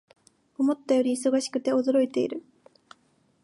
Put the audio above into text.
思ったより忙しくて驚いている